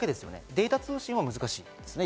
データ通信は難しいですよね？